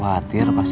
jangan buat mas